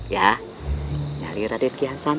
ya nyari raden kiasan